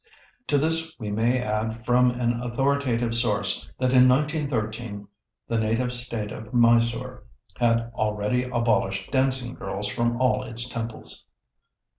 To this we may add from an authoritative source that in 1913 the native state of Mysore had already abolished dancing girls from all its temples.